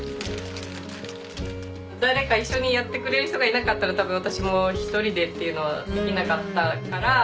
誰か一緒にやってくれる人がいなかったら多分私も一人でっていうのはできなかったから。